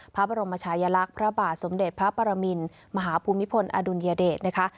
พระบรมชายลักษณ์พระบาทสมเด็จพระปรมินมหาภูมิพลอดุลยเดชนะคะ